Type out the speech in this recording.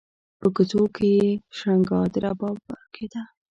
په کوڅو کې یې شرنګا د رباب ورکه